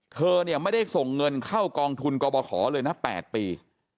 เธอเนี่ยไม่ได้ส่งเงินเข้ากองทุนกรบขอเลยนะ๘ปี